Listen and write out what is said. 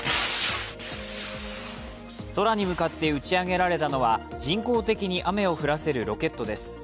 空に向かって打ち上げられたのは人工的に雨を降らせるロケットです。